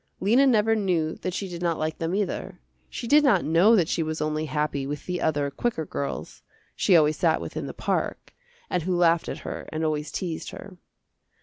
Lena never knew that she did not like them either. She did not know that she was only happy with the other quicker girls, she always sat with in the park, and who laughed at her and always teased her.